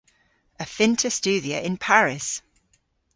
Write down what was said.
Y fynn'ta studhya yn Paris.